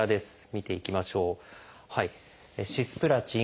見ていきましょう。